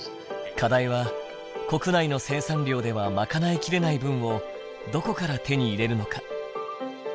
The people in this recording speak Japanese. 課題は国内の生産量では賄いきれない分をどこから手に入れるのか。